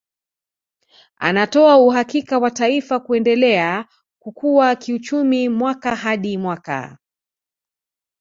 Unatoa uhakika wa taifa kuendelea kukua kiuchumi mwaka hadi mwaka